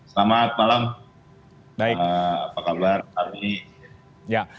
selamat malam pak ahmad yusef apa kabar